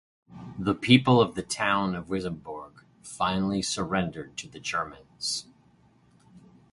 The people of the town of Wissembourg finally surrendered to the Germans.